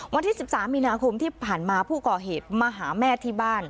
วันที่๑๓มีนาคมที่ผ่านมาผู้ก่อเหตุมาหาแม่ที่บ้าน